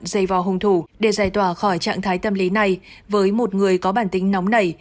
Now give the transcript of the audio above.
dây vào hung thủ để giải tỏa khỏi trạng thái tâm lý này với một người có bản tính nóng nảy